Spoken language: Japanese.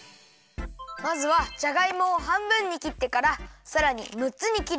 まずはじゃがいもをはんぶんにきってからさらにむっつにきるよ。